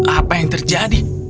apa yang terjadi